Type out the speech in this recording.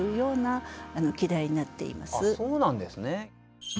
そうなんですね。